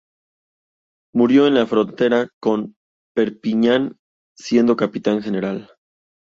Murió en la frontera con Perpiñán, siendo capitán general.